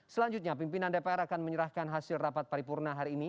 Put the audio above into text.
selanjutnya pimpinan dpr akan menyerahkan hasil rapat paripurna hari ini